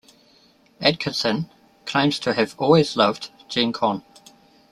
Adkison claims to have "always loved" Gen Con.